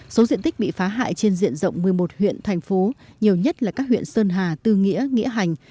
số diện tích bị phá hại trên diện rộng một mươi một huyện thành phố nhiều nhất là các huyện sơn hà tư nghĩa nghĩa hành